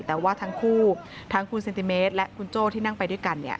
แต่ว่าทั้งคู่ทั้งคุณเซนติเมตรและคุณโจ้ที่นั่งไปด้วยกันเนี่ย